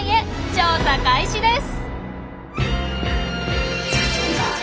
調査開始です！